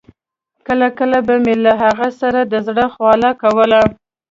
کله کله به مې له هغه سره د زړه خواله کوله.